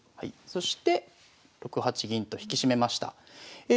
そして６八銀と引き締めました。